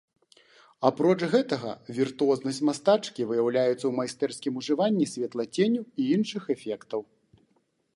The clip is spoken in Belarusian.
Апроч гэтага, віртуознасць мастачкі выяўляецца ў майстэрскім ужыванні святлаценю і іншых эфектаў.